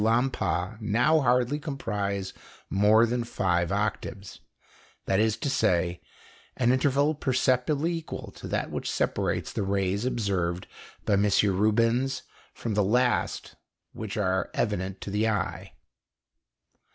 Lampa now hardly comprise more than five octaves that is to say, an interval perceptibly equal to that which separates the rays observed by M. Rubens from the last which are evident to the eye.